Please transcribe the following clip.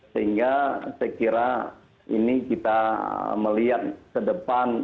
sehingga saya kira ini kita melihat ke depan